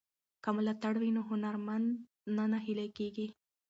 که ملاتړ وي نو هنرمند نه نهیلی کیږي.